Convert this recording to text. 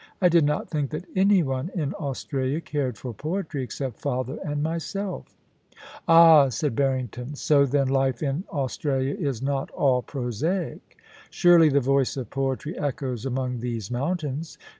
I did not think that anyone in Australia cared for poetry except father and myselfl* * Ah r said Barrington. * So, then, life in Australia is not all prosaic Surely the voice of poetry echoes among these mountains.